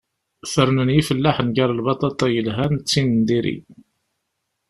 Fernen yifellaḥen gar lbaṭaṭa yelhan d tin n diri.